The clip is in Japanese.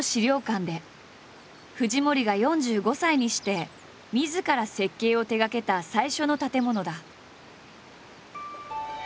藤森が４５歳にしてみずから設計を手がけた最初の建物だ。